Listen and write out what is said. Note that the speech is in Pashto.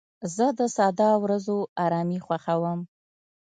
زه د ساده ورځو ارامي خوښوم.